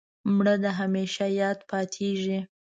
مړه د همېشه یاد پاتېږي